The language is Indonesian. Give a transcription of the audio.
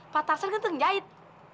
pak tarsan kan tuh ngejahit